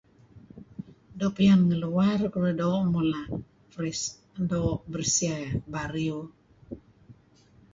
Doo' piyan ngi luar keduih doo' mula' doo' bersih bariew.